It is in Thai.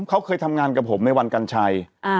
เขาเคยทำงานกับผมในวันกัญชัย